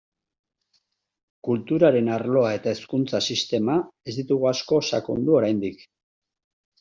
Kulturaren arloa eta hezkuntza sistema ez ditugu asko sakondu oraindik.